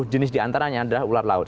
dua puluh jenis diantaranya adalah ular laut